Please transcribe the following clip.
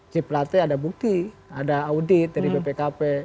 jeplatnya ada bukti ada audit dari bpkp